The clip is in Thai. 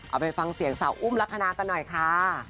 เอาไปฟังเสียงสาวอุ้มลักษณะกันหน่อยค่ะ